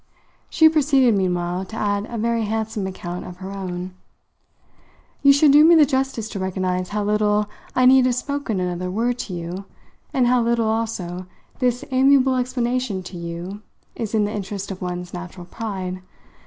She proceeded meanwhile to add a very handsome account of her own. "You should do me the justice to recognise how little I need have spoken another word to you, and how little, also, this amiable explanation to you is in the interest of one's natural pride.